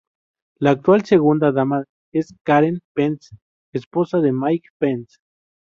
La actual segunda dama es Karen Pence, esposa de Mike Pence.